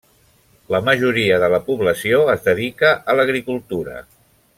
La majoria de la població es dedica a l'agricultura.